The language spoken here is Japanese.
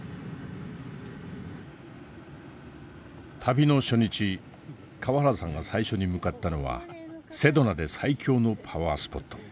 旅の初日川原さんが最初に向かったのはセドナで最強のパワースポット。